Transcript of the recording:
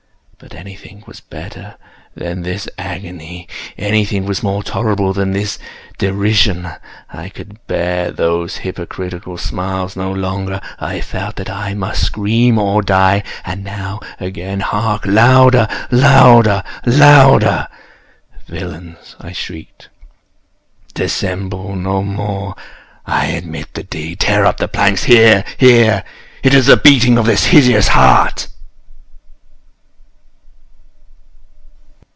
But anything was better than this agony! Anything was more tolerable than this derision! I could bear those hypocritical smiles no longer! I felt that I must scream or die! and now—again!—hark! louder! louder! louder! louder! "Villains!" I shrieked, "dissemble no more! I admit the deed!—tear up the planks!—here, here!—It is the beating of his hideous heart!"